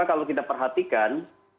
kalau kita perhatikan